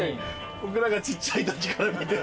僕らがちっちゃいときから見てる。